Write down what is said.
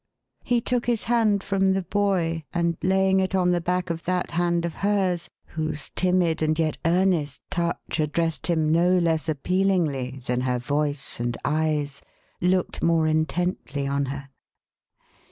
He took his hand from the boy, and laying it on the back of that hand of hers, whose timid and yet earnest touch addressed him no less appealingly than her voice and eyes, looked more intently on her.